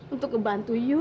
untuk ngebantu yu